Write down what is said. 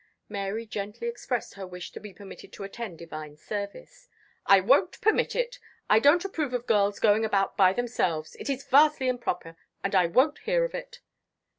Mary gently expressed her wish to be permitted to attend divine service. "I won't permit it. I don't approve of girls going about by themselves. It is vastly improper, and I won't hear of it."